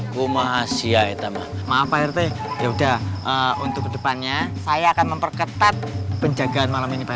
rumah asia hitam maaf rt ya udah untuk kedepannya saya akan memperketat penjagaan malam ini pak